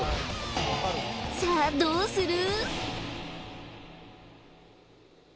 さあどうする？